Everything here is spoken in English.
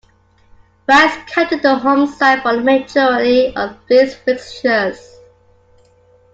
Rice captained the home side for the majority of these fixtures.